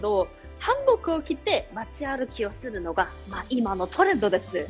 韓服を着て街歩きをするのが、今のトレンドです。